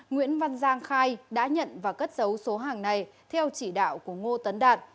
nguyễn văn giang khai đã nhận và cất dấu số hàng này theo chỉ đạo của ngô tấn đạt